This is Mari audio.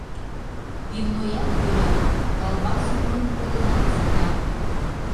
— Пивноят йӧра, калбасым, монь пурлынат, сита.